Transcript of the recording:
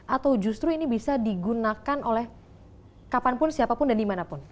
atau justru ini bisa digunakan oleh kapanpun siapapun dan dimanapun